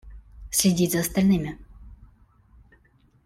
Следить за остальными.